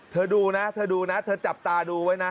ดูนะเธอดูนะเธอจับตาดูไว้นะ